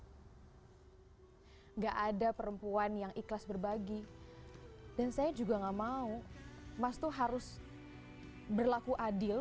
hai gak ada perempuan yang ikhlas berbagi dan saya juga nggak mau mas tuh harus berlaku adil